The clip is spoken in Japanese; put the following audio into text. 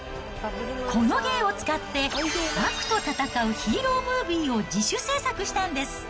この芸を使って、悪と戦うヒーロームービーを自主制作したんです。